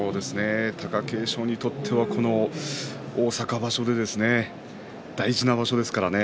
貴景勝にとってはこの大阪場所大事な場所ですからね。